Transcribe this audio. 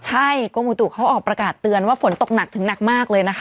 ใช่กรมอุตุเขาออกประกาศเตือนว่าฝนตกหนักถึงหนักมากเลยนะคะ